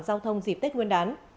giao thông dịp tết nguyên đán